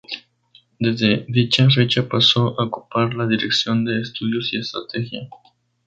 Desde dicha fecha pasó a ocupar la Dirección de Estudios y estrategia.